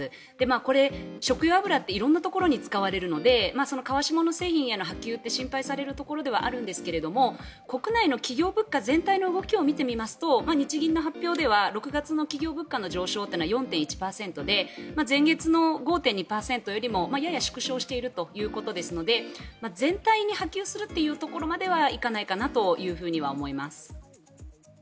これ、食用油って色々なところに使われるので川下の製品への波及って心配されるところではあるんですが国内の企業物価全体の動きを見てみますと日銀の発表では６月の企業物価の上昇は４．１％で前月の５．２％よりもやや縮小しているということですので全体に波及するというところまではいかないかなと思います。